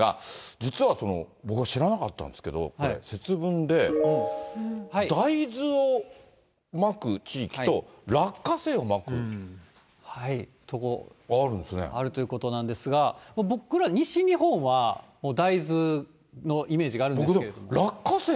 実は僕は知らなかったんですけど、節分で大豆をまく地域と、落花生をまくとこ、あるんですが、僕ら西日本は、大豆のイメージがあるんですけど。